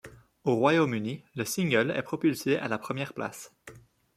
Au Royaume-Uni, le single est propulsé à la première place.